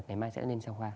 ngày mai sẽ lên xe hoa